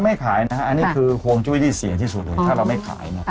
ก็ไม่ขายนะครับอันนี้คือโครงจุ้ยที่เสียที่สุดเลยถ้าเราไม่ขายเนอะ